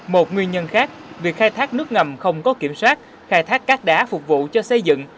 một nguyên nhân khác việc khai thác nước ngầm không có kiểm soát khai thác cát đá phục vụ cho xây dựng